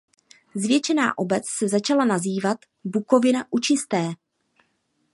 Zvětšená obec se začala nazývat Bukovina u Čisté.